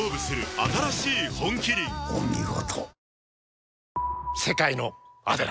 お見事。